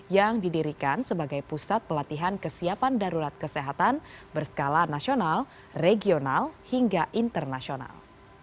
yang didirikan sebagai pusat pelatihan kesiapan darurat kesehatan berskala nasional regional hingga internasional